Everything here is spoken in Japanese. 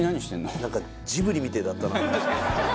松尾：ジブリみてえだったな。